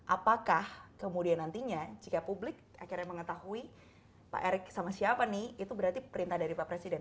apakah kemudian nantinya jika publik akhirnya mengetahui pak erick sama siapa nih itu berarti perintah dari pak presiden